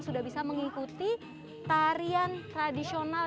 sudah bisa mengikuti tarian tradisional